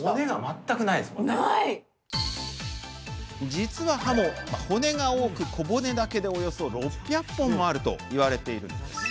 実はハモ、骨が多く小骨だけでおよそ６００本もあると言われているんです。